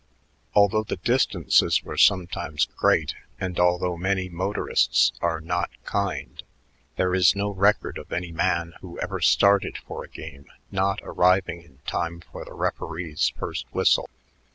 Although the distances were sometimes great, and although many motorists are not kind, there is no record of any man who ever started for a game not arriving in time for the referee's first whistle.